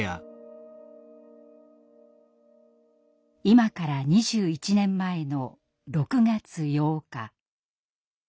今から２１年前の６月８日。